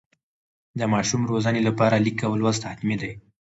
د ماشوم روزنې لپاره لیک او لوست حتمي ده.